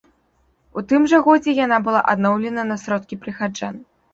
У тым жа годзе яна была адноўлена на сродкі прыхаджан.